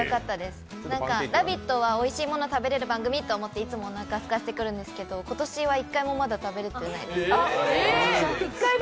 「ラヴィット！」はおいしいもの食べれる番組と思っていつもおなかすかせて来るんですけど今年はまだ１回も食べられてないです。